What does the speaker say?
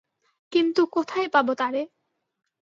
কিন্তু কোথায় পাব তারে?